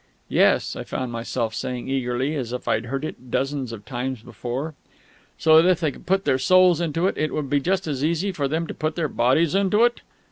"Yes," I found myself saying eagerly, as if I'd heard it dozens of times before. "So that if they could put their souls into it, it would be just as easy for them to put their bodies into it?..."